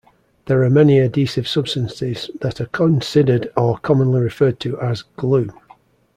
There are many adhesive substances that are considered or commonly referred to as "glue".